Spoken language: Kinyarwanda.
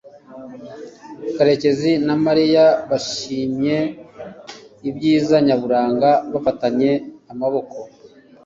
karekezi na mariya bashimye ibyiza nyaburanga bafatanye amaboko